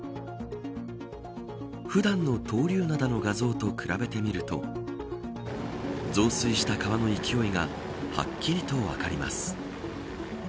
普段の闘竜灘の画像と比べてみると増水した川の勢いがはっきりと分かります。